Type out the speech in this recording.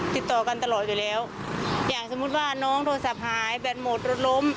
ติดต่อกันตลอดอยู่แล้วอย่างสมมุติว่าน้องโทรศัพท์หายแบตหมดรถล้ม